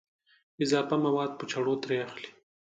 اضافه مواد په چړو ترې اخلي.